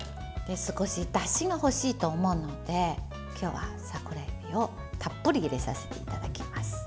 少し、だしが欲しいと思うので今日は桜えびをたっぷり入れさせていただきます。